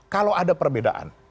kalau ada perbedaan